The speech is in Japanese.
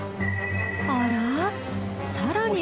あら？